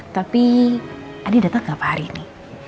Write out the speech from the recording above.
tapi adi dateng ke apa hari ini